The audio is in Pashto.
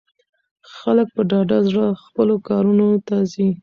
خلک په ډاډه زړه خپلو کارونو ته ځي.